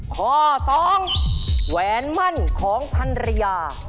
ข้อสองแหวนมั่นของพนัย